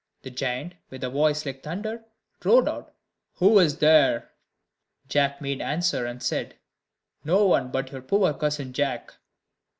The giant, with a voice like thunder, roared out, "Who is there?" Jack made answer, and said, "No one but your poor cousin Jack."